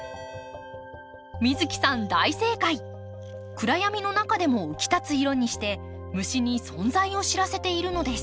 暗闇の中でも浮き立つ色にして虫に存在を知らせているのです。